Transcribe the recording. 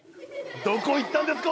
どこ行ったんですか？